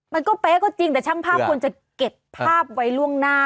เป๊ะก็จริงแต่ช่างภาพควรจะเก็บภาพไว้ล่วงหน้า